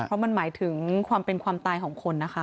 เพราะมันหมายถึงความเป็นความตายของคนนะคะ